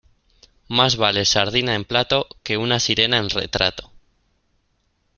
Más vale sardina en plato que una sirena en retrato.